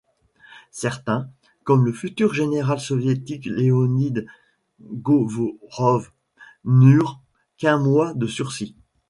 Certains, comme le futur général soviétique Leonid Govorov, n'eurent qu'un mois de sursis.